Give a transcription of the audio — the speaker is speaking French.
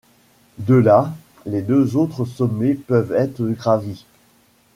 De là, les deux autres sommets peuvent être gravis.